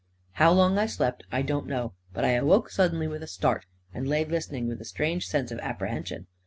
• How long I slept, I don't know ; but I awoke sud denly with a start, and lay listening, with a strange sense of apprehension.